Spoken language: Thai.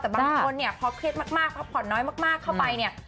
แต่บางคนเนี่ยพอเครียดมากพักผ่อนน้อยมากเข้าไปเนี่ย